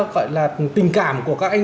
gọi là tình cảm của các anh